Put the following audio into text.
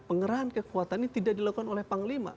pengerahan kekuatan ini tidak dilakukan oleh panglima